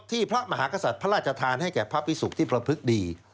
พระมหากษัตริย์พระราชทานให้แก่พระพิสุกที่ประพฤกษดี